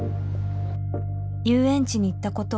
「遊園地に行ったことを」